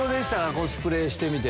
コスプレしてみて。